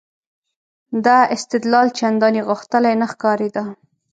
دا استدلال چندانې غښتلی نه ښکارېده.